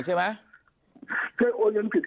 ใช่เออ